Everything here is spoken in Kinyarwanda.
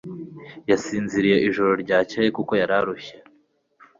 Yasinziriye ijoro ryakeye kuko yararushye.